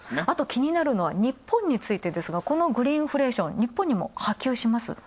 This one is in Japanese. あと気になるのは日本についてですがこのグリーンインフレーション、日本にも波及します？